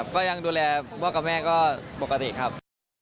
ก็ยังดูแลพ่อกับแม่ก็ปกติครับ